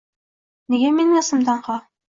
Nega mening ismim tanho